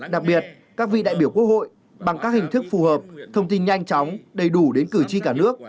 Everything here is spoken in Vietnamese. đặc biệt các vị đại biểu quốc hội bằng các hình thức phù hợp thông tin nhanh chóng đầy đủ đến cử tri cả nước